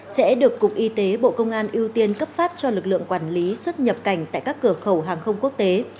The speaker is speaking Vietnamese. sẽ được cục y tế bộ công an ưu tiên cấp phát cho lực lượng quản lý xuất nhập cảnh tại các cửa khẩu hàng không quốc tế